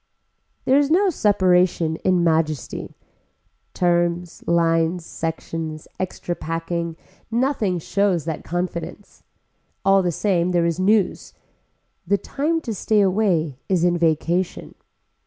There is no separation in majesty. Terms, lines, sections, extra packing, nothing shows that confidence. All the same there is news. The time to stay away is in vacation.